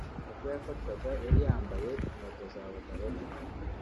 ubwo yafatwaga yari yambaye inkweto za bodaboda